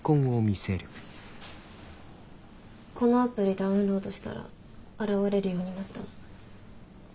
このアプリダウンロードしたら現れるようになったの。